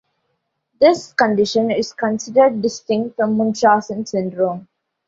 This condition is considered distinct from Munchausen syndrome.